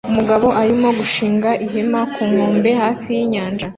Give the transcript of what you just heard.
Umugabo arimo gushinga ihema ku nkombe hafi y'inyanja